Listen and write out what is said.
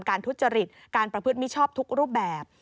ทุจริตการประพฤติมิชชอบทุกรูปแบบ